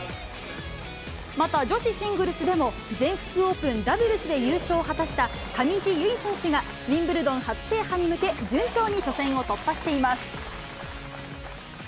また、女子シングルスでも、全仏オープンダブルスで優勝を果たした上地結衣選手が、ウィンブルドン初制覇に向け、順調に初戦を突破しています。